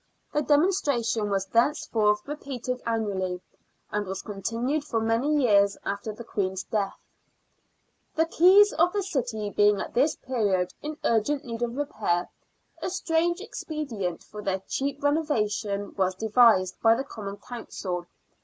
The demonstration was thenceforth repeated annually, and was continued for many years after the Queen's death. The quays of the city being at this period in urgent need of repair, a strange expedient for their cheap renova tion was devised by the Common Council.